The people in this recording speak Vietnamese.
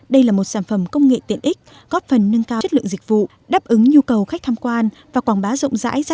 đây là một sản phẩm công nghệ tiện ích góp phần nâng cao chất lượng dịch vụ đáp ứng nhu cầu khách tham quan và quảng bá rộng rãi giá trị di sản